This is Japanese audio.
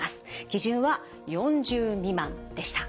基準は４０未満でした。